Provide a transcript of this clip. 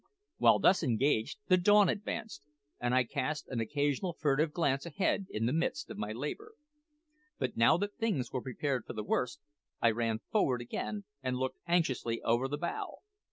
While thus engaged, the dawn advanced, and I cast an occasional furtive glance ahead in the midst of my labour. But now that things were prepared for the worst, I ran forward again and looked anxiously over the bow.